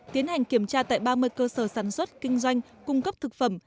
tiến hành kiểm tra tại ba mươi cơ sở sản xuất kinh doanh cung cấp thực phẩm